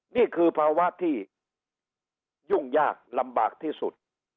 นี่คือภาวะที่ยุ่งยากลำบากที่สุด